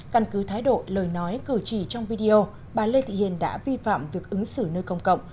căn cứ thái độ lời nói cử chỉ trong video bà lê thị hiền đã vi phạm việc ứng xử nơi công cộng